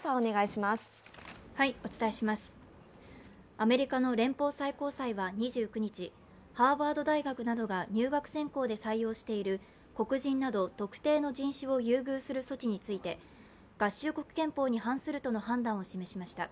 アメリカの連邦最高裁は２９日、ハーバード大学などが入学選考で採用している黒人など特定の人種を優遇する措置について、合衆国憲法に反するとの判断を示しました。